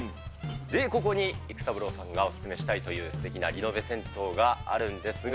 ここに育三郎さんがお勧めしたいというすてきなリノベ銭湯があるんですが。